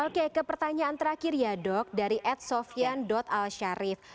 oke ke pertanyaan terakhir ya dok dari edsofian alsyarif